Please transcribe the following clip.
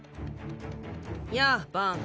やあバン。